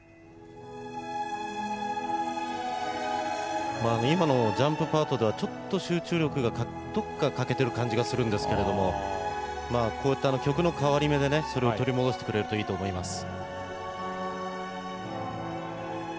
まあ今のジャンプパートではちょっと集中力がどっか欠けてる感じがするんですけれどもこういった曲の変わり目でねそれを取り戻してくれるといいと思います。